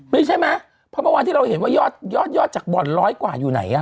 นี่ใช่ไหมเพราะเมื่อวานที่เราเห็นว่ายอดยอดจากบ่อนร้อยกว่าอยู่ไหน